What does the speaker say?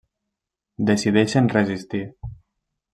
Decideixen resistir.